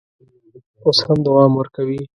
اوس هم دوام ورکوي.